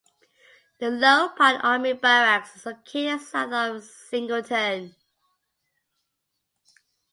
The Lone Pine army barracks is located south of Singleton.